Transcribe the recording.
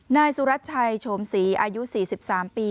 นายสุรัชชัยโฉมศรีอายุ๔๓ปี